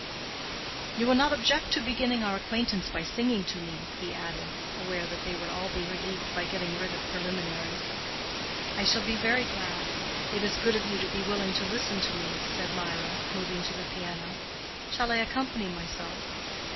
"You will not object to beginning our acquaintance by singing to me," he added, aware that they would all be relieved by getting rid of preliminaries. "I shall be very glad. It is good of you to be willing to listen to me," said Mirah, moving to the piano. "Shall I accompany myself?"